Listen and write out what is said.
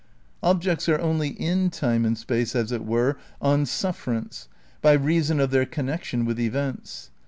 Objects are only in time and space as it were on sufferance by reason of their connection with events.